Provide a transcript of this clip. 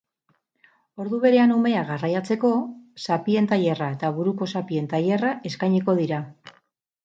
Ordu berean umeak garraiatzeko zapien tailerra eta buruko zapien tailerra eskainiko dira.